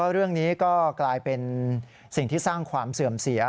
เรื่องนี้ก็กลายเป็นสิ่งที่สร้างความเสื่อมเสีย